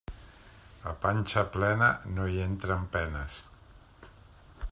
A panxa plena no hi entren penes.